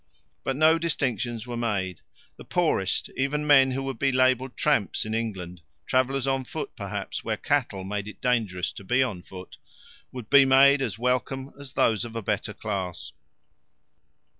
But no distinctions were made. The poorest, even men who would be labelled tramps in England, travellers on foot perhaps where cattle made it dangerous to be on foot, would be made as welcome as those of a better class.